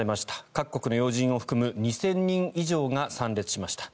各国の要人を含む２０００人以上が参列しました。